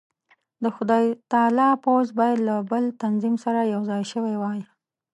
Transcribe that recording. د خدای تعالی پوځ باید له بل تنظیم سره یو ځای شوی وای.